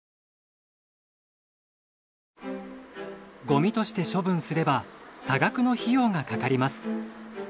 ごみとして処分すれば多額の費用がかかります。